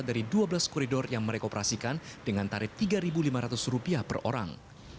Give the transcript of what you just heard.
dari dua belas koridor yang mereka operasikan dengan tarif rp tiga lima ratus per orang